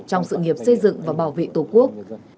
trong sự nghiệp xây dựng và bảo vệ tổ quốc